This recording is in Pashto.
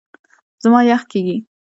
زما یخ کېږي .